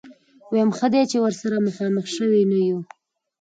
ويم ښه دی چې ورسره مخامخ شوي نه يو.